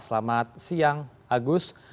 selamat siang agus